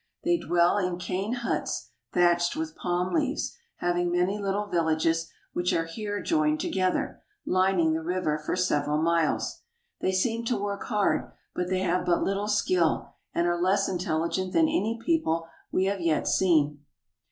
They dwell in cane huts thatched with palm leaves, having many little villages which are here joined together, lining the river for several miles. They seem to work hard, but they have but little skill and are less intelligent than any people we have yet seen.